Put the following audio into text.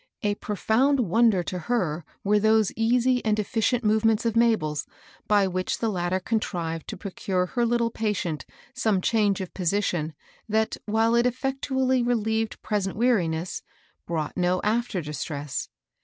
A pro found wonder to her were those easy and efficient movements of Mabel, by which the latter contrived C^ A 1^ r^ , 100 MABEL ROSS. to procure her little patient some change of position, fliat, while it effectually relieved present weariness, brought no after distress.